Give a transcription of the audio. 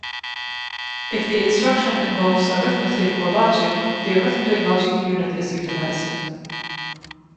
If the instruction involves arithmetic or logic, the Arithmetic Logic Unit is utilized.